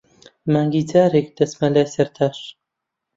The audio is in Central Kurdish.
مانگی جارێک، دەچمە لای سەرتاش.